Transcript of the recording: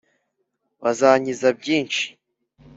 Bizankiza byinshi